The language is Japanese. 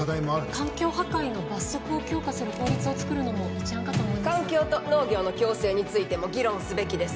環境破壊の罰則を強化する法律をつくるのも環境と農業の共生についても議論すべきです